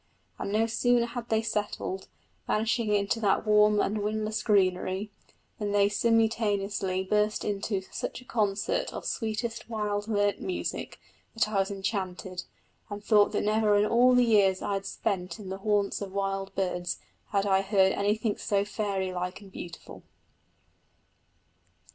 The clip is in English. And no sooner had they settled, vanishing into that warm and windless greenery, than they simultaneously burst into such a concert of sweetest wild linnet music, that I was enchanted, and thought that never in all the years I had spent in the haunts of wild birds had I heard anything so fairy like and beautiful.